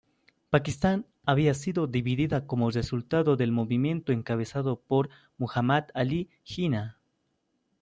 Pakistán había sido dividida como resultado del movimiento encabezado por Muhammad Ali Jinnah.